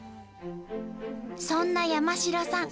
そんな山城さん